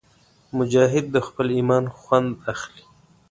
مجاهد د خپل ایمان خوند اخلي.